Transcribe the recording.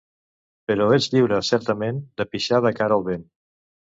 però ets lliure, certament, de pixar de cara al vent